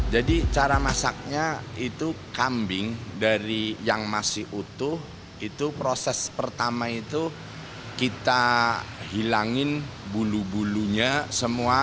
jadi cara masaknya itu kambing dari yang masih utuh itu proses pertama itu kita hilangin bulu bulunya semua